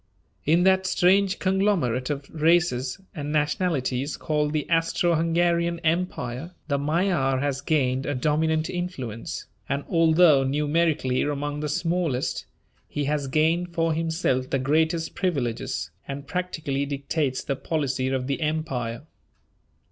In that strange conglomerate of races and nationalities called the Austro Hungarian Empire, the Magyar has gained a dominant influence, and although numerically among the smallest, he has gained for himself the greatest privileges, and practically dictates the policy of the Empire.